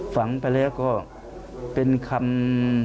ฟังไปแล้วก็เป็นคำ